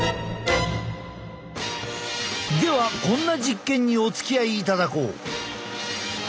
ではこんな実験におつきあいいただこう。